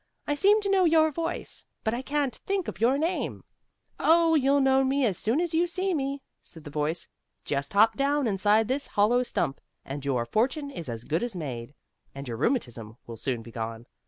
"I seem to know your voice, but I can't think of your name." "Oh, you'll know me as soon as you see me," said the voice. "Just hop down inside this hollow stump, and your fortune is as good as made, and your rheumatism will soon be gone.